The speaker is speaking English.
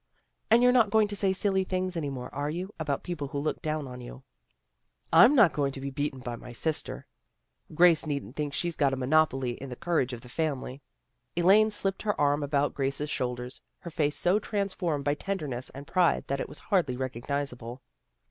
" And you're not going to say silly things any more, are you, about people who look down on you? "" I'm not going to be beaten by my sister. Grace needn't think she's got a monopoly in the courage of the family." Elaine slipped her arm about Grace's shoulders, her face so transformed by tenderness and pride that it was hardly recognizable.